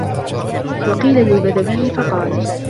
وَقِيلَ لِلْبَدْوِيِّ فَقَالَ